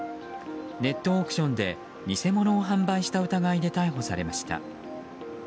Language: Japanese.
ネットオークションで偽物を販売した疑いで逮捕されました。